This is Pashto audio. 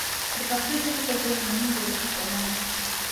د پښتو ژبې کلتور زموږ د روح ښکلا ده.